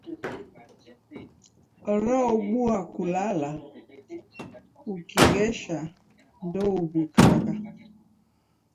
Waraobua kulala ukighesha ndouw'ukagha.